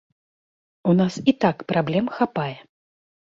У нас і так праблем хапае.